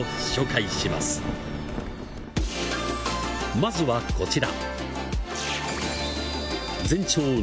まずは、こちら。